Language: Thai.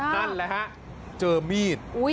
นั่นแหละฮะเจอมีด